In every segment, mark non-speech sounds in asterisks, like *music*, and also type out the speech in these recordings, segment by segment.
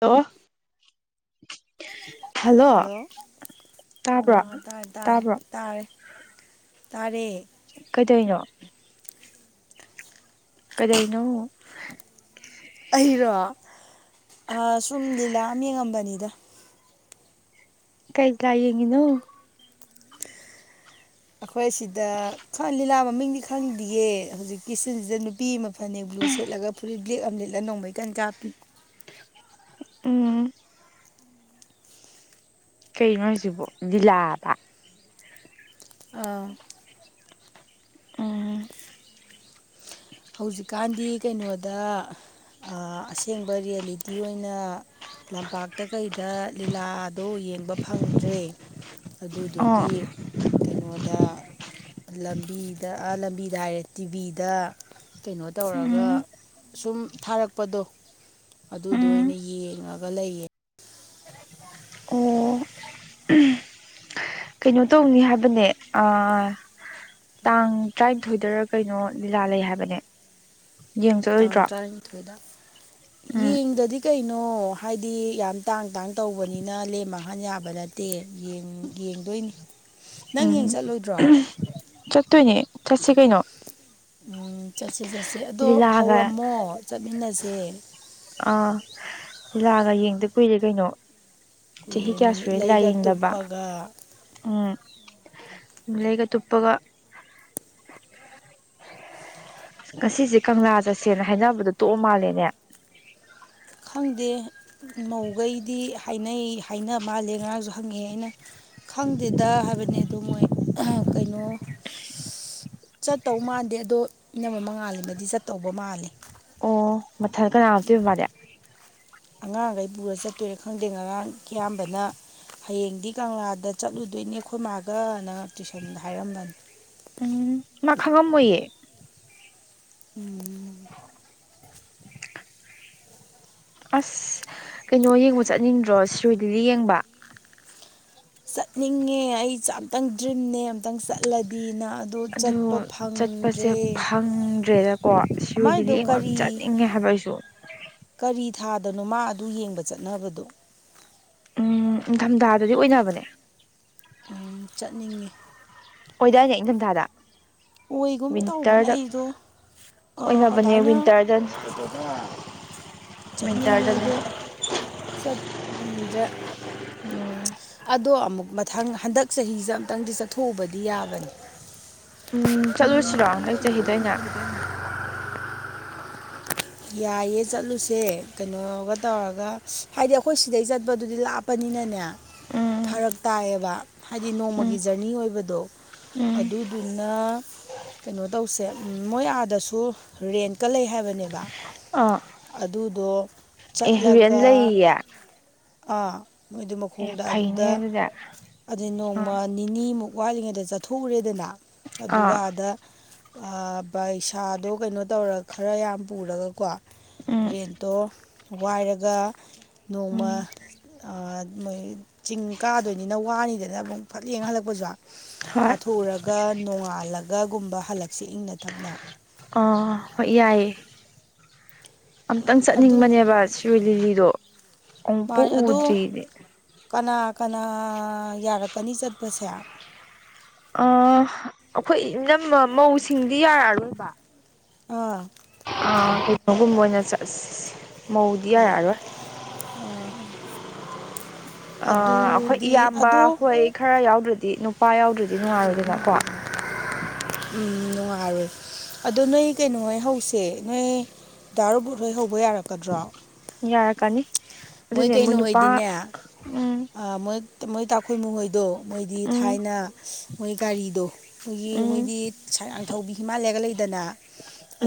hello hello ꯇꯥꯕ꯭ꯔꯣ ꯑꯥ ꯇꯥꯔꯦ ꯇꯥꯔꯦ ꯇꯥꯕ꯭ꯔꯣ ꯇꯥꯔꯦ ꯇꯥꯔꯦ ꯀꯩꯗꯧꯏꯅꯣ ꯀꯩꯗꯧꯔꯤꯅꯣ ꯑꯩꯔꯣ ꯑ ꯁꯨꯝ ꯂꯤꯂꯥ ꯑꯃ ꯌꯦꯡꯉꯝꯕꯅꯤꯗ ꯀꯩ ꯀꯥ ꯌꯦꯡꯉꯤꯅꯣ ꯑꯩꯈꯣꯏ ꯁꯤꯗ ꯂꯤꯂꯥ ꯃꯃꯤꯡꯗꯤ ꯈꯪꯗ꯭ꯌꯦ ꯍꯧꯖꯤꯛꯀꯤ ꯁꯤꯟꯁꯤꯗ ꯅꯨꯄꯤ ꯑꯃ ꯐꯅꯦꯛ ꯕ꯭ꯂꯨ ꯁꯦꯠꯂꯒ ꯐꯨꯔꯤꯠ ꯕ꯭ꯂꯦꯛ ꯑꯝ ꯂꯤꯠꯂ ꯅꯣꯡꯃꯩ ꯀꯟ ꯀꯥꯞꯄꯤ ꯎꯝ ꯀꯩꯅꯣ ꯍꯥꯏꯁꯤꯕꯣ ꯂꯤꯂꯥꯕ ꯑꯥ ꯎꯝ ꯍꯧꯖꯤꯛꯀꯥꯟꯗꯤ ꯀꯩꯅꯣꯗ ꯑ ꯑꯁꯦꯡꯕ ꯔꯤꯌꯦꯂꯤꯇꯤ ꯑꯣꯏꯅ ꯂꯝꯄꯥꯛꯇ ꯀꯩꯗ ꯂꯤꯂꯥꯗꯣ ꯌꯦꯡꯕ ꯐꯪꯗ꯭ꯔꯦ ꯑꯣ ꯑꯗꯨꯗꯨꯒꯤ ꯀꯩꯅꯣꯗ ꯂꯝꯕꯤꯗ ꯑ ꯂꯝꯕꯤꯗ ꯍꯥꯏꯔꯦ ꯇꯤꯚꯤꯗ ꯀꯩꯅꯣ ꯎꯝ ꯇꯧꯔꯒ ꯁꯨꯝ ꯊꯥꯔꯛꯄꯗꯣ ꯑꯗꯨꯗꯣ ꯎꯝ ꯑꯣꯏꯅ ꯌꯦꯡꯉꯒ ꯂꯩꯌꯦ ꯑꯣ ꯀꯩꯅꯣ ꯇꯧꯅꯤ ꯍꯥꯏꯕꯅꯦ ꯑꯥ ꯇꯥꯡ ꯇꯔꯥꯅꯤꯊꯣꯏꯗ ꯀꯩꯅꯣ ꯂꯤꯂꯥ ꯂꯩ ꯍꯥꯏꯕꯅꯦ ꯌꯦꯡ ꯇꯥꯡ ꯆꯠꯂꯣꯏꯗ꯭ꯔꯣ ꯇꯔꯥꯅꯤꯊꯣꯏꯗ ꯎꯝ ꯌꯦꯡꯗꯗꯤ ꯀꯩꯅꯣ ꯍꯥꯏꯗꯤ ꯌꯥꯝ ꯇꯥꯡ ꯇꯥꯡ ꯇꯧꯕꯅꯤꯅ ꯂꯦꯝ ꯃꯥꯡꯍꯟ ꯌꯥꯕ ꯅꯠꯇꯦ ꯌꯦꯡ ꯌꯦꯡꯗꯣꯏꯅꯤ ꯅꯪ ꯌꯦꯡ ꯎꯝ ꯆꯠꯂꯣꯏꯗ꯭ꯔꯣ ꯆꯠꯇꯣꯏꯅꯦ ꯆꯠꯁꯤ ꯀꯩꯅꯣ ꯎꯝ ꯆꯠꯁꯦ ꯆꯠꯁꯦ ꯑꯗꯣ ꯂꯤꯂꯥꯒ ꯍꯧꯔꯝꯃꯣ ꯆꯠꯃꯤꯟꯅꯁꯦ ꯑꯥ ꯂꯤꯂꯥꯒ ꯌꯦꯡꯗ ꯀꯨꯏꯔꯦ ꯀꯩꯅꯣ ꯆꯍꯤ ꯀꯨꯏꯔꯦ ꯀꯌꯥ ꯅꯨꯃꯤꯠ ꯁꯨꯔꯦ ꯂꯤꯂꯥ ꯂꯩꯒ ꯌꯦꯡꯗꯕ *unintelligible* ꯎꯝ ꯅꯨꯃꯤꯠꯂꯩꯒ ꯇꯨꯞꯄꯒ ꯉꯁꯤꯁꯦ ꯀꯪꯂꯥ ꯆꯠꯁꯦꯅ ꯍꯥꯏꯅꯕꯗꯣ ꯇꯣꯛꯑ ꯃꯥꯜꯂꯦꯅꯦ ꯈꯪꯗꯦ ꯃꯧꯈꯩꯗꯤ ꯍꯥꯏꯅꯩ ꯍꯥꯏꯅꯕ ꯃꯥꯜꯂꯦ ꯉꯔꯥꯡꯁꯨ ꯍꯪꯉꯦ ꯑꯩꯅ ꯈꯪꯗꯦꯗ ꯍꯥꯏꯕꯅꯤ ꯑꯗꯨ ꯃꯣꯏ ꯀꯩꯅꯣ ꯆꯠꯇꯧ ꯃꯥꯥꯟꯗꯦ ꯑꯗꯣ ꯏꯅꯃꯥ ꯃꯉꯥꯜꯂꯩꯃꯗꯤ ꯆꯠꯇꯧꯕ ꯃꯥꯜꯂꯦ ꯑꯣ ꯃꯊꯟ ꯀꯅꯥ ꯍꯥꯞꯇꯣꯏꯕ ꯃꯥꯗꯤ ꯑꯉꯥꯡꯈꯩ ꯄꯨꯔ ꯆꯠꯇꯣꯏꯔꯦ ꯈꯪꯗꯦ ꯉꯔꯥꯡ ꯀꯤꯌꯥꯝꯕꯅ ꯍꯌꯦꯡꯗꯤ ꯀꯪꯂꯥꯗ ꯆꯠꯂꯨꯗꯣꯏꯅꯦ ꯑꯩꯈꯣꯏ ꯃꯥꯒꯅ ꯇꯨꯏꯁꯟꯗ ꯍꯥꯏꯔꯝꯕꯅꯦ ꯎꯝ ꯃꯥ ꯈꯪꯉꯝꯃꯣꯏꯌꯦ ꯎꯝ *inaudible* ꯑꯁ ꯀꯩꯅꯣ ꯌꯦꯡꯕ ꯆꯠꯅꯤꯡꯗ꯭ꯔꯣ ꯁꯤꯔꯣꯏ ꯂꯤꯂꯤ ꯌꯦꯡꯕ ꯆꯠꯅꯤꯡꯉꯦ ꯑꯩꯁꯦ ꯑꯝꯇꯪ ꯗ꯭ꯔꯤꯝꯅꯦ ꯑꯝꯇꯪ ꯆꯠꯂꯗꯤꯅ ꯑꯗꯨ ꯆꯠꯄ ꯆꯠꯄꯁꯦ ꯐꯪꯗ꯭ꯔꯦ ꯐꯪꯗ꯭ꯔꯦꯗꯀꯣ ꯁꯤꯔꯣꯏ ꯂꯤꯂꯤ ꯃꯥꯏꯗꯣ ꯌꯦꯡꯕ ꯑꯝ ꯀꯔꯤ ꯆꯠꯅꯤꯡꯉꯦ ꯍꯥꯏꯕ ꯑꯩꯁꯨ ꯀꯔꯤ ꯊꯥꯗꯅꯣ ꯃꯥ ꯑꯗꯨ ꯌꯦꯡꯕ ꯆꯠꯅꯕꯗꯣ ꯎꯝ ꯅꯤꯡꯊꯝ ꯊꯥꯗꯗꯤ ꯑꯣꯏꯅꯕꯅꯦ ꯎꯝ ꯆꯠꯅꯤꯡꯉꯦ ꯑꯣꯏꯗꯥꯏꯅꯦ ꯏꯪꯊꯝꯊꯥꯗ ꯑꯣꯏꯒꯨꯝ ꯇꯧꯕꯅꯦ ꯋꯤꯟꯇꯔꯗ ꯑꯩꯗꯣ ꯑꯣꯏꯅꯕꯅꯦ ꯑꯗꯨꯃꯥꯏꯅ ꯋꯤꯟꯇꯔꯗ *unintelligible* ꯑꯥ ꯆꯠꯅꯤꯡꯉꯦꯗꯣ ꯆꯠꯐꯪꯗ꯭ꯔꯦ ꯎꯝ ꯑꯗꯣ ꯑꯃꯨꯛ ꯃꯊꯪ ꯍꯟꯗꯛ ꯆꯍꯤꯁꯦ ꯑꯃꯨꯛꯇꯪꯗꯤ ꯆꯠꯊꯣꯛꯎꯕꯗꯤ ꯌꯥꯕꯅꯦ ꯎꯝ ꯆꯠꯂꯨꯁꯤꯔꯣ ꯍꯟꯗꯛ ꯆꯍꯤꯗ ꯑꯣꯏꯅ ꯌꯥꯏꯌꯦ ꯆꯠꯂꯨꯁꯦ ꯀꯩꯅꯣꯒ ꯇꯧꯔꯒ ꯍꯥꯏꯗꯤ ꯑꯩꯈꯣꯏ ꯁꯤꯗꯩ ꯆꯠꯄꯗꯨꯗꯤ ꯂꯥꯞ ꯄꯅꯤꯅꯅꯦ ꯎꯝ ꯐꯔꯛ ꯇꯥꯏꯌꯦꯕ ꯍꯥꯏꯗꯤ ꯎꯝ ꯅꯣꯡꯃꯒꯤ ꯖꯔꯅꯤ ꯑꯣꯏꯕꯗꯣ ꯎꯝ ꯑꯗꯨꯗꯨꯅ ꯀꯩꯅꯣ ꯇꯧꯁꯦ ꯃꯣꯏ ꯑꯥꯗꯁꯨ ꯔꯦꯟꯠꯀ ꯂꯩ ꯍꯥꯏꯕꯅꯦꯕ ꯑꯥ ꯑꯗꯨꯗꯣ ꯑꯦ ꯔꯦꯟ ꯆꯠꯂꯒ ꯂꯩꯌꯦ ꯑꯥ ꯃꯣꯏꯗꯨ ꯑꯦ ꯃꯈꯣꯡꯗ ꯐꯩꯅꯦ ꯑꯗꯨꯗ ꯑꯗꯨꯗꯤ ꯑꯗꯩ ꯑꯥ ꯅꯣꯡꯃ ꯅꯤꯅꯤꯃꯨꯛ ꯋꯥꯠꯂꯤꯉꯩꯗ ꯆꯠꯊꯣꯛꯎꯔꯦꯗꯅ ꯑꯗꯨꯒ ꯑꯥ ꯑꯥꯗ ꯑꯥ ꯄꯩꯁꯥꯗꯣ ꯀꯩꯅꯣ ꯇꯧꯔꯒ ꯈꯔꯥ ꯌꯥꯝ ꯄꯨꯔꯒꯀꯣ ꯎꯝ ꯔꯦꯟꯠꯇꯣ ꯋꯥꯏꯔꯒ ꯅꯣꯡꯃ ꯎꯝ ꯑꯥ ꯃꯣꯏ ꯆꯤꯡ ꯀꯥꯗꯣꯏꯅꯤꯅ ꯋꯥꯅꯤꯗꯅ ꯑꯃꯨꯛ ꯐꯠ ꯌꯦꯡ ꯍꯜꯂꯛꯄꯁꯨ ꯍꯣꯏ ꯀꯥꯊꯣꯛꯎꯔꯒ ꯅꯣꯡꯉꯥꯜꯂꯒꯨꯝꯕ ꯍꯜꯂꯛꯁꯦ ꯏꯪꯅ ꯊꯞꯅ ꯑꯥ ꯍꯣꯏ ꯌꯥꯏꯌꯦ ꯑꯝꯇꯪ ꯑꯗꯨ ꯆꯠꯅꯤꯡꯕꯅꯦꯕ ꯁꯤꯔꯣꯏ ꯂꯤꯂꯤꯗꯣ ꯑꯃꯨꯛꯄꯥꯎ ꯃꯥꯅꯦ ꯑꯗꯣ ꯎꯗ꯭ꯔꯤꯌꯦ ꯀꯅꯥ ꯀꯅꯥ ꯌꯥꯔꯛꯀꯅꯤ ꯆꯠꯄꯁꯦ ꯑꯥ ꯑꯩꯈꯣꯏ ꯏꯅꯝꯃ ꯃꯧꯁꯤꯡꯗꯤ ꯌꯥꯔꯛ ꯑꯔꯣꯏꯕ ꯑꯥ ꯑꯥ ꯀꯩꯅꯣꯒꯨꯝꯕ ꯑꯣꯏꯅ ꯆꯠꯁꯦ ꯃꯧꯗꯤ ꯌꯥꯔꯛꯑꯔꯣꯏ ꯑꯥ ꯑꯥ ꯑꯩꯈꯣꯏ ꯑꯗꯨꯗꯤ ꯏꯌꯥꯝꯕ ꯑꯗꯣ ꯍꯣꯏ ꯈꯔꯥ ꯌꯥꯎꯗ꯭ꯔꯗꯤ ꯅꯨꯄꯥ ꯌꯥꯎꯗ꯭ꯔꯗꯤ ꯅꯨꯡꯉꯥꯏꯔꯣꯏꯗꯅꯀꯣ *inaudible* ꯎꯝ ꯅꯨꯡꯉꯥꯏꯔꯣꯏ ꯑꯗꯣ ꯅꯣꯏ ꯀꯩꯅꯣꯍꯣꯏ ꯍꯧꯁꯦ ꯅꯣꯏ ꯗꯥ ꯔꯥꯍꯨꯜ ꯍꯣꯏ ꯍꯧꯕ ꯌꯥꯔꯛꯀꯗ꯭ꯔꯣ ꯌꯥꯔꯛꯀꯅꯤ ꯑꯗꯨꯅꯦ ꯃꯣꯏ ꯅꯨꯄꯥ ꯎꯝ ꯃꯣꯏ ꯃꯣꯏ ꯇꯥ ꯈꯣꯏꯃꯨ ꯍꯣꯏꯗꯣ ꯃꯣꯏꯗꯤ ꯎꯝ ꯊꯥꯏꯅ ꯃꯣꯏ ꯒꯥꯔꯤꯗꯣ ꯑꯩꯈꯣꯏꯒꯤ ꯎꯝ ꯃꯣꯏꯗꯤ ꯁꯥꯡꯊꯧꯕꯤ ꯍꯤꯃꯥꯂꯌꯥꯒ ꯂꯩꯗꯅ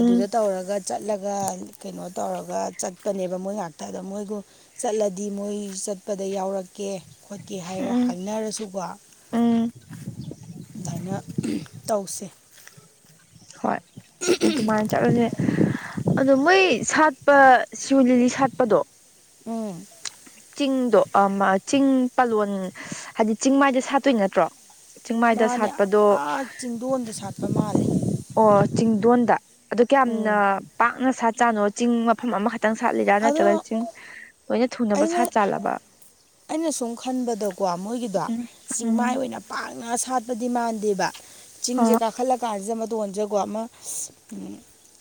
ꯎꯝ ꯇꯧꯔꯒ ꯆꯠꯂꯒ ꯀꯩꯅꯣ ꯇꯧꯔꯒ ꯆꯠꯀꯅꯦꯕ ꯃꯣꯏ ꯉꯥꯛꯇ ꯑꯗ ꯃꯣꯏꯒꯨꯝ ꯆꯠꯂꯗꯤ ꯃꯣꯏ ꯆꯠꯄꯗ ꯌꯥꯎꯔꯛꯀꯦ ꯀꯦ ꯍꯥꯏꯔ ꯎꯝ ꯍꯥꯏꯅꯔꯁꯨꯀꯣ ꯎꯝ ꯑꯗꯨꯃꯥꯏꯅ ꯇꯧꯁꯦ ꯍꯣꯏ ꯑꯗꯨꯃꯥꯏꯅ ꯆꯠꯂꯁꯦ ꯑꯗꯣ ꯃꯣꯏ ꯁꯥꯠꯄ ꯁꯤꯔꯣꯏ ꯂꯤꯂꯤ ꯁꯥꯠꯄꯗꯣ ꯎꯝ ꯆꯤꯡꯗꯣ ꯆꯤꯡ ꯄꯥꯂꯣꯟ ꯍꯥꯏꯗꯤ ꯆꯤꯡ ꯃꯥꯏꯗ ꯁꯥꯠꯇꯣꯏ ꯅꯠꯇ꯭ꯔꯣ ꯆꯤꯡꯃꯥꯏꯗ ꯃꯥꯅꯦ ꯁꯥꯠꯄꯗꯣ ꯑꯥ ꯆꯤꯡꯗꯣꯟꯗ ꯁꯥꯠꯄ ꯃꯥꯜꯂꯦ ꯑꯣ ꯆꯤꯡꯗꯣꯟꯗ ꯑꯗꯨ ꯀꯌꯥꯝꯅ ꯎꯝ ꯄꯥꯛꯅ ꯁꯥꯠ ꯆꯥꯅꯣ ꯆꯤꯡ ꯃꯐꯝ ꯑꯃꯈꯛꯇꯪ ꯁꯥꯠꯂꯤꯔꯥ ꯅꯠꯇ꯭ꯔꯒ ꯑꯗꯣ ꯆꯤꯡ ꯂꯣꯏꯅ ꯊꯨ ꯁꯥꯠ ꯑꯩꯅ ꯆꯥꯜꯂꯕ ꯑꯩꯅ ꯁꯨꯝ ꯈꯟꯕꯗꯀꯣ ꯃꯣꯏꯒꯤꯗꯣ ꯎꯝ ꯆꯤꯡꯃꯥꯏ ꯎꯝ ꯑꯣꯏꯅ ꯄꯥꯛꯅ ꯁꯥꯠꯄꯗꯤ ꯃꯥꯟꯗꯦꯕ ꯆꯤꯡꯁꯦ ꯑꯥ ꯀꯥꯈꯠꯂꯛꯄ ꯀꯥꯟꯁꯤꯗ ꯇꯧꯟꯖꯀꯣ ꯑꯃ ꯎꯝ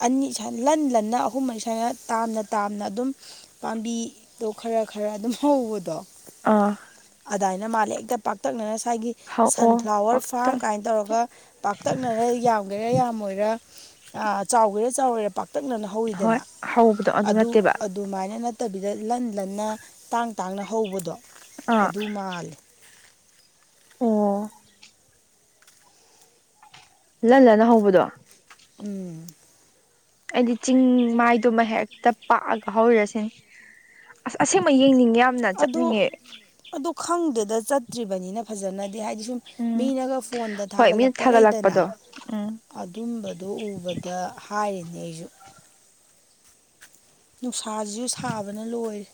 ꯑꯅꯤ ꯏꯁꯥ ꯂꯟ ꯂꯟꯅ ꯑꯍꯨꯝ ꯏꯁꯥꯅ ꯇꯥꯝꯅ ꯇꯥꯝꯅ ꯑꯗꯨꯝ ꯄꯥꯝꯕꯤꯗꯣ ꯈꯔ ꯈꯔ ꯑꯗꯨꯝ ꯍꯧꯕꯗꯣ ꯑꯥ ꯑꯗꯨꯃꯥꯏꯅ ꯃꯥꯜꯂꯦ ꯍꯦꯛꯇ ꯄꯥꯛꯇꯛꯅꯅ ꯉꯁꯥꯏꯒꯤ ꯍꯧꯑꯣ ꯁꯟꯐ꯭ꯂꯥꯋꯔ ꯄꯛꯇ ꯐꯥꯔꯝ ꯀꯥꯏꯅ ꯇꯧꯔꯒ ꯄꯥꯛꯇꯛꯅꯔ ꯌꯥꯝꯒꯦꯔꯥ ꯌꯥꯝꯃꯣꯏꯔꯥ ꯆꯥꯎꯒꯦꯔꯥ ꯆꯥꯎꯋꯦꯔꯥ ꯄꯥꯛꯇꯛꯅꯅ ꯍꯣꯏ ꯍꯧꯋꯤꯗꯅ ꯍꯧꯕꯗꯣ ꯑꯗꯨ ꯑ ꯅꯠꯇꯦꯕ ꯑꯗꯨꯃꯥꯏꯅ ꯅꯠꯇꯕꯤꯗ ꯂꯟ ꯂꯟꯅ ꯇꯥꯡ ꯇꯥꯡꯅ ꯍꯧꯕꯗꯣ ꯑꯥ ꯑꯗꯨ ꯃꯥꯂꯦ ꯑꯣ ꯂꯟꯅꯥ ꯂꯟꯅꯥ ꯍꯧꯕꯗꯣ ꯎꯝ ꯑꯩꯗꯤ ꯆꯤꯡꯗꯨꯃ ꯍꯦꯛꯇ ꯄꯥꯛꯑꯒ ꯍꯧꯔꯁꯤꯅꯤ ꯑꯁ ꯑꯁꯦꯡꯕ ꯌꯦꯡꯅꯤꯡꯉ ꯌꯥꯝꯅ ꯑꯗꯣ ꯆꯠꯅꯤꯡꯉꯦ ꯑꯗꯣ ꯈꯪꯗꯦꯗ ꯆꯠꯇ꯭ꯔꯤꯕꯅꯤꯅ ꯐꯖꯅꯗꯤ ꯍꯥꯏꯗꯤ ꯁꯨꯝ ꯎꯝ ꯃꯤꯅꯒ ꯐꯣꯟꯗ ꯍꯣꯏ ꯃꯤꯅ ꯊꯥꯒꯠꯂꯛꯄ ꯂꯩꯗꯅ ꯊꯥꯒꯠꯂꯛꯄꯗꯣ ꯎꯝ ꯑꯗꯨꯝꯕꯗꯣ ꯎꯕꯗ ꯍꯥꯏꯔꯤꯅꯦ ꯑꯩꯁꯨ ꯅꯨꯡꯁꯥꯁꯤꯁꯨ ꯁꯥꯕꯅ ꯂꯣꯏꯔꯦ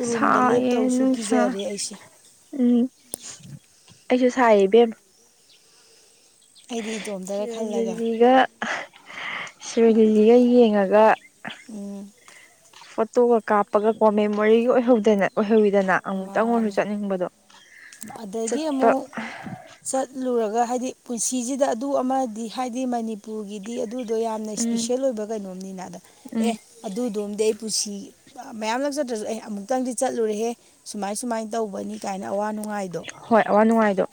ꯎꯔꯨꯝꯗ ꯁꯥꯏꯌꯦ ꯂꯦꯞꯇꯕꯁꯨ ꯅꯨꯡꯁꯥ ꯀꯤꯖꯔꯦ ꯑꯩꯁꯦ ꯎꯝ ꯑꯩꯁꯨ ꯁꯥꯏ ꯏꯕꯦꯝꯃꯥ ꯑꯩꯗꯤ ꯏꯇꯣꯝꯇꯔ ꯁꯤꯔꯣꯏ ꯈꯜꯂꯒ ꯂꯤꯂꯤꯒ ꯁꯣꯏ ꯂꯤꯂꯤꯒ ꯌꯦꯡꯉꯒ ꯎꯝ ꯐꯣꯇꯣꯒ ꯀꯥꯞꯄꯒ ꯀꯣ ꯃꯦꯃꯣꯔꯤꯒꯤ ꯑꯣꯏꯍꯧꯗꯅ ꯑꯣꯏꯍꯧꯋꯤꯗꯅ ꯑꯃꯨꯛꯇꯪ ꯑꯣꯏꯔꯁꯨ ꯃꯥꯅꯦ ꯆꯠꯅꯤꯡꯕꯗꯣ ꯑꯗꯒꯤ ꯆꯠꯄ ꯑꯃꯨꯛ ꯆꯠꯂꯨꯔꯒ ꯍꯥꯏꯗꯤ ꯄꯨꯟꯁꯤꯁꯤꯗ ꯑꯗꯨ ꯑꯃꯗꯤ ꯍꯥꯏꯗꯤ ꯃꯅꯤ ꯃꯄꯨꯔꯒꯤꯗꯤ ꯑꯗꯨꯗꯣ ꯌꯥꯝꯅ ꯎꯝ ꯏꯁꯄꯤꯁꯦꯜ ꯑꯣꯏꯕ ꯀꯩꯅꯣꯝꯅꯤꯅ ꯑꯗ ꯑꯦ ꯎꯝ ꯑꯗꯨꯗꯣꯝꯗꯤ ꯑꯩ ꯄꯨꯟꯁꯤ ꯃꯌꯥꯝ ꯂꯛꯆꯗ꯭ꯔꯁꯨ ꯑꯩ ꯑꯃꯨꯛꯇꯪꯗꯤ ꯆꯠꯂꯨꯔꯦꯍꯦ ꯁꯨꯃꯥꯏ ꯁꯨꯃꯥꯏꯅ ꯇꯧꯕꯅꯤ ꯀꯥꯏꯅ ꯑꯋꯥ ꯅꯨꯡ ꯍꯣꯏ ꯑꯋꯥ ꯅꯨꯡꯉꯥꯏꯗꯣ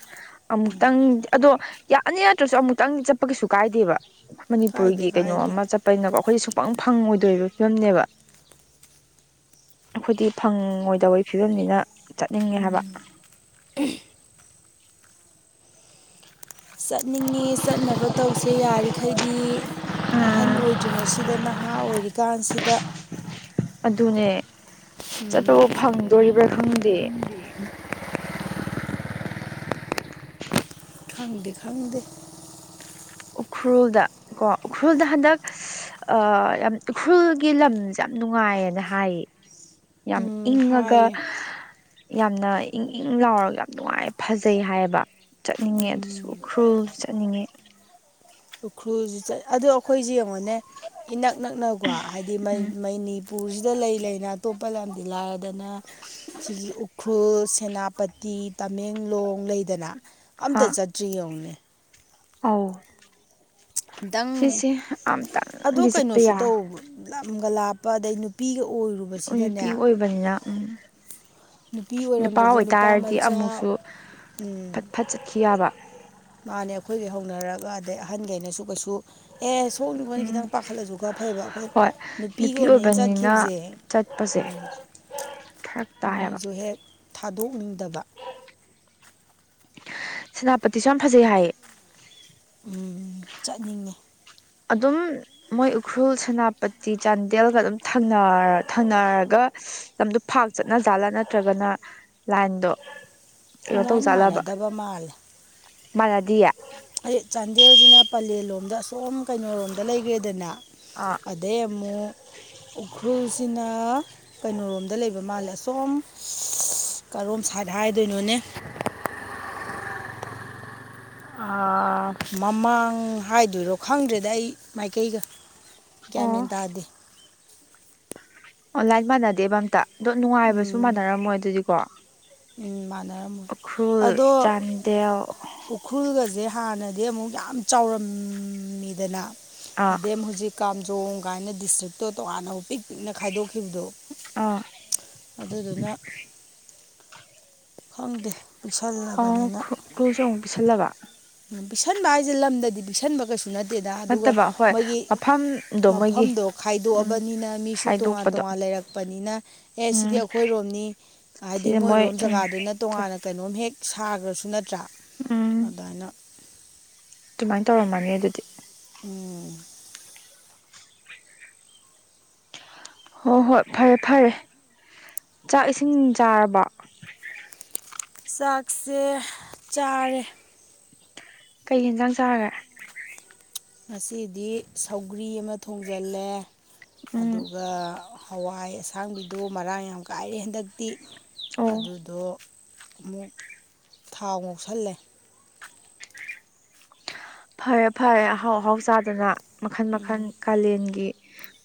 ꯑꯃꯨꯛꯇꯪ ꯑꯗꯣ ꯌꯥꯅꯤ ꯅꯠꯇ꯭ꯔꯥꯁꯨ ꯑꯃꯨꯛꯇꯪꯗꯤ ꯆꯠꯄ ꯀꯩꯁꯨ ꯀꯥꯏꯗꯦꯕ ꯀꯥꯏꯗꯦ ꯃꯅꯤꯄꯨꯔꯒꯤ ꯀꯩꯅꯣꯝ ꯀꯥꯏꯗꯦ ꯑꯃ ꯆꯠ ꯀꯩꯅꯕ ꯑꯩꯈꯣꯏꯗꯤ ꯁꯨꯡꯛꯄꯪ ꯐꯪꯉꯣꯏꯗꯣꯏꯔꯤꯕ ꯐꯤꯕꯝꯅꯦꯕ ꯑꯩꯈꯣꯏꯗꯤ ꯐꯪꯉꯣꯏꯗꯕꯒꯤ ꯐꯤꯕꯝꯅꯤꯅ ꯆꯠꯅꯤꯡꯉꯦ ꯍꯥꯏꯕ ꯆꯠꯅꯤꯡꯉꯦ ꯆꯠꯅꯕ ꯇꯧꯁꯦ ꯌꯥꯔꯤꯈꯩꯗꯤ ꯑꯍꯟ ꯑꯣꯏꯗ꯭ꯔꯤꯉꯩꯁꯤꯗ ꯅꯍꯥ ꯑꯣꯏꯔꯤꯀꯥꯟꯁꯤꯗ ꯑꯗꯨꯅꯦ ꯆꯠꯄꯕꯨ ꯐꯪꯗꯣꯔꯤꯕ꯭ꯔꯥ ꯈꯪꯗꯦ ꯈꯪꯗꯦ ꯈꯪꯗꯦ ꯎꯈ꯭ꯔꯨꯜꯗ ꯀꯣ ꯎꯈ꯭ꯔꯨꯜꯗ ꯍꯟꯗꯛ ꯑ ꯌꯥꯝ ꯎꯈ꯭ꯔꯨꯜꯒꯤ ꯂꯝꯁꯦ ꯌꯥꯝ ꯅꯨꯡꯉꯥꯏꯌꯦꯅ ꯍꯥꯏꯌꯦ ꯌꯥꯝ ꯎꯝ ꯏꯪꯉꯥꯒ ꯍꯥꯏꯌꯦ ꯌꯥꯝꯅ ꯏꯪ ꯏꯪ ꯂꯥꯎꯔꯒ ꯌꯥꯝ ꯅꯨꯡꯉꯥꯏ ꯐꯖꯩ ꯍꯥꯏꯌꯦꯕ ꯆꯠꯅꯤꯡꯉꯦ ꯎꯝ ꯑꯗꯨꯁꯨ ꯎꯈ꯭ꯔꯨꯜ ꯆꯠꯅꯤꯡꯉꯦ ꯎꯈ꯭ꯔꯨꯜꯁꯤ ꯆꯠ ꯑꯗꯣ ꯑꯩꯈꯣꯏꯁꯦ ꯌꯦꯡꯉꯣꯅꯦ ꯏꯅꯛ ꯅꯛꯅꯀꯣ ꯍꯥꯏꯗꯤ ꯃꯅꯤ ꯎꯝ ꯃꯩꯅꯤ ꯃꯅꯤꯄꯨꯔꯁꯤꯗ ꯂꯩ ꯂꯩꯅ ꯑꯇꯣꯞꯄ ꯂꯝꯗꯤ ꯂꯥꯏꯔꯗꯅ ꯁꯤꯒꯤ ꯎꯈ꯭ꯔꯨꯜ ꯁꯦꯅꯥꯄꯇꯤ ꯇꯃꯦꯡꯂꯣꯡ ꯂꯩꯗꯅ ꯑ ꯑꯝꯇ ꯆꯠꯇ꯭ꯔꯤ ꯌꯦꯡꯉꯨꯅꯦ ꯑꯧ ꯑꯝꯇꯪ ꯁꯤꯁꯦ ꯑꯗꯣ ꯑꯝꯇꯪꯗꯤ ꯆꯠꯄ ꯀꯩꯅꯣꯁꯨ ꯌꯥ ꯇꯧꯕ ꯂꯝꯒ ꯂꯥꯞꯄ ꯑꯗꯩ ꯅꯨꯄꯤꯒ ꯑꯣꯏꯔꯨꯕꯁꯤꯗꯅꯦ ꯅꯨꯄꯤ *unintelligible* ꯎꯝ ꯅꯨꯄꯤ ꯅꯨꯄꯥ ꯑꯣꯏꯔꯝꯗ꯭ꯔꯗꯤ ꯑꯣꯏꯇꯥꯔꯗꯤ ꯃꯆꯥ ꯑꯃꯨꯛꯁꯨ ꯎꯝ ꯐꯠ ꯐꯠ ꯆꯠꯈꯤ ꯌꯥꯕ ꯃꯥꯅꯦ ꯑꯩꯈꯣꯏꯒꯩ ꯍꯧꯅꯔꯒ ꯑꯗꯩ ꯑꯍꯟꯈꯩꯅꯁꯨ ꯀꯩꯁꯨ ꯑꯦ ꯁꯣꯛꯅꯤ ꯈꯣꯠꯅꯤ ꯎꯝ ꯈꯤꯇꯪ ꯄꯥꯈꯠꯂꯁꯨ ꯈꯔ ꯐꯩꯕ ꯑꯩꯈꯣꯏ ꯍꯣꯏ ꯅꯨꯄꯤ ꯅꯨꯄꯤꯒꯑꯣꯏꯕꯅꯤꯅ ꯑꯣꯏꯕꯅꯤꯅ ꯆꯠꯈꯤꯕꯁꯦ ꯆꯠꯄꯁꯦ ꯐꯔꯛ ꯇꯥꯏꯌꯦꯕ ꯃꯣꯏꯁꯨ ꯍꯦꯛ ꯊꯥꯗꯣꯛꯅꯤꯡꯗꯕ ꯁꯦꯅꯥꯄꯇꯤꯁꯨ ꯌꯥꯝ ꯐꯖꯩ ꯍꯥꯏꯌꯦ ꯎꯝ ꯆꯠꯅꯤꯡꯉꯦ ꯑꯗꯨꯝ ꯃꯣꯏ ꯎꯈ꯭ꯔꯨꯜ ꯁꯦꯅꯥꯄꯇꯤ ꯆꯥꯟꯗꯦꯜꯒ ꯑꯗꯨꯝ ꯊꯪꯅꯔꯒ ꯂꯝꯗꯣ ꯐꯥꯛ ꯆꯠꯅꯖꯥꯠꯂꯥ ꯅꯠꯇ꯭ꯔꯥꯒꯅ ꯂꯥꯏꯟꯗꯣ ꯀꯩꯅꯣ ꯇꯧ ꯂꯥꯏꯟ ꯖꯠꯂꯕ ꯃꯥꯟꯅꯗꯕ ꯃꯥꯜꯂꯦ ꯃꯥꯥꯟꯅꯗꯤꯌꯦ ꯑꯩ ꯆꯥꯟꯗꯦꯜꯁꯤꯅ ꯄꯂꯦꯜ ꯂꯣꯝꯗ ꯑꯁꯣꯝ ꯀꯩꯅꯣꯔꯣꯝꯗ ꯂꯩꯒ꯭ꯔꯦꯗꯅ ꯑꯥ ꯑꯗꯩ ꯑ ꯑꯃꯨꯛ ꯎꯈ꯭ꯔꯨꯜꯁꯤꯅ ꯀꯩꯅꯣꯔꯣꯝꯗ ꯂꯩꯕ ꯃꯥꯜꯂꯦ ꯑꯁꯣꯝ ꯀꯔꯣꯝ ꯁꯥꯏꯠ ꯍꯥꯏꯗꯣꯏꯅꯣꯅꯦ ꯃꯃꯥꯡ ꯍꯥꯏꯗꯣꯏꯔꯣ ꯈꯪꯗ꯭ꯔꯦꯗ ꯑꯩ ꯃꯥꯏꯀꯩꯒ ꯒ꯭ꯌꯥꯟ ꯑꯣ ꯃꯦꯟ ꯇꯥꯗꯦ ꯑꯣ ꯂꯥꯏꯟ ꯃꯥꯟꯅꯗꯦꯕ ꯑꯝꯇ ꯑꯗꯣ ꯅꯨꯡꯉꯥꯏꯕꯁꯨ ꯎꯝ ꯃꯥꯟꯅꯔꯝꯃꯣꯏ ꯑꯗꯨꯗꯤꯀꯣ ꯎꯝ ꯃꯥꯟꯅꯔꯝꯃꯣꯏ ꯎꯈ꯭ꯔꯨꯜ ꯑꯗꯣ ꯎꯍ ꯆꯥꯟꯗꯦꯜ ꯎꯈ꯭ꯔꯜꯒꯁꯦ ꯍꯥꯟꯅꯗꯤ ꯑꯃꯨꯛ ꯌꯥꯝ ꯆꯥꯎꯔꯝꯃꯤꯗꯅ ꯑꯥ ꯑꯗꯩ ꯑꯃꯨꯛ ꯍꯧꯖꯤꯛ ꯀꯥꯝꯖꯣꯡ ꯀꯥꯏꯅ ꯗꯤꯁꯇ꯭ꯔꯤꯛꯇꯣ ꯇꯣꯉꯥꯟꯅ ꯑꯃꯛ ꯄꯤꯛ ꯄꯤꯛꯅ ꯈꯥꯏꯗꯣꯛꯈꯤꯕꯗꯣ ꯑꯥ ꯑꯗꯨꯗꯨꯅ ꯈꯪꯗꯦ ꯄꯤꯛꯁꯜꯂꯕꯅꯤꯅ ꯎꯈ꯭ꯔꯨꯜ ꯁꯨ ꯑꯃꯨꯛ ꯄꯤꯁꯜꯂꯕ ꯄꯤꯛꯁꯟꯕ ꯍꯥꯏꯁꯦ ꯂꯝꯗꯗꯤ ꯄꯤꯛꯁꯟꯕ ꯀꯩꯁꯨ ꯅꯠ ꯇꯦꯗꯥ ꯑꯗꯨꯒ ꯅꯠꯇꯕ ꯍꯣꯏ ꯃꯣꯏꯒꯤ ꯃꯐꯝꯗꯣ ꯃꯣꯏꯒꯤ ꯃꯐꯝꯗꯣ ꯎꯝ ꯈꯥꯏꯗꯣꯛꯑꯕꯅꯤꯅ ꯃꯤꯁꯨ ꯇꯣꯉꯥꯟ ꯈꯥꯏꯗꯣꯛꯄꯗꯣ ꯇꯣꯉꯥꯟ ꯂꯩꯔꯛ ꯄꯅꯤꯅ ꯑꯦ ꯎꯝ ꯁꯤꯗꯤ ꯑꯩꯈꯣꯏꯔꯣꯝꯅꯤ ꯍꯥꯏꯗꯤ ꯁꯤꯁꯦ ꯃꯣꯏ ꯃꯣꯏꯔꯣꯝ ꯎꯝ ꯖꯒꯥꯗꯨꯅ ꯇꯣꯉꯥꯟꯅ ꯀꯩꯅꯣꯝ ꯍꯦꯛ ꯁꯥꯒ꯭ꯔꯖꯨ ꯅꯠꯇ꯭ꯔꯥ ꯑꯗꯨꯃꯥꯏꯅ ꯑꯗꯨꯃꯥꯏꯟ ꯇꯧꯔꯝꯃꯅꯤ ꯑꯗꯨꯗꯤ ꯎꯝ ꯍꯣ ꯍꯣꯏ ꯐꯔꯦ ꯐꯔꯦ ꯆꯥꯛ ꯏꯁꯤꯡ ꯆꯥꯔꯕꯣ ꯆꯥꯛꯁꯦ ꯆꯥꯔꯦ ꯀꯩ ꯍꯦꯟꯖꯥꯡ ꯆꯥꯔꯒꯦ ꯉꯁꯤꯗꯤ ꯁꯧꯒ꯭ꯔꯤ ꯑꯃ ꯊꯣꯡꯖꯜꯂꯦ ꯎꯝ ꯑꯗꯨꯒ ꯍꯋꯥꯏ ꯑꯁꯥꯡꯕꯤꯗꯣ ꯃꯔꯥꯡ ꯌꯥꯝ ꯀꯥꯏꯔꯦ ꯍꯟꯗꯛꯇꯤ ꯑꯣ ꯑꯗꯨꯗꯣ ꯑꯃꯨꯛ ꯊꯥꯎ ꯉꯧꯁꯜꯂꯦ ꯐꯔꯦ ꯐꯔꯦ ꯑꯍꯥꯎ ꯑꯍꯥꯎ ꯆꯥꯗꯅ ꯃꯈꯟ ꯃꯈꯟ ꯎꯝ ꯀꯥꯂꯦꯟꯒꯤ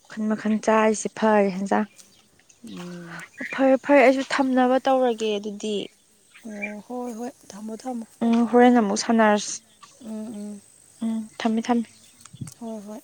ꯃꯈꯟ ꯃꯈꯟ ꯆꯥꯔꯤꯁꯦ ꯐꯔꯦ ꯍꯦꯟꯖꯥꯡ ꯎꯝ ꯐꯔꯦ ꯐꯔꯦ ꯑꯩꯁꯨ ꯊꯝꯅꯕ ꯇꯧꯔꯒꯦ ꯑꯗꯨꯗꯤ ꯑꯣ ꯍꯣꯏ ꯍꯣꯏ ꯊꯝꯃꯣ ꯊꯝꯃꯣ ꯎꯝ ꯍꯣꯔꯦꯟ ꯑꯃꯨꯛ ꯁꯥꯟꯅꯔꯁꯤ ꯎꯝ ꯎꯝ ꯎꯝ ꯊꯝꯃꯦ ꯊꯝꯃꯦ ꯍꯣꯏ ꯍꯣꯏ